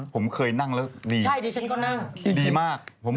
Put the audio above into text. เพราะว่า